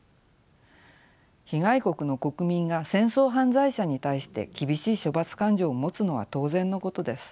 被害国の国民が戦争犯罪者に対して厳しい処罰感情を持つのは当然のことです。